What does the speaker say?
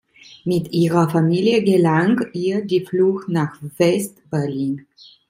Mit ihrer Familie gelang ihr die Flucht nach West-Berlin.